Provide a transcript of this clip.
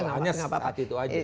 hanya saat itu aja